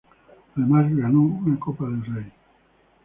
Además ganó una Copa del Rey.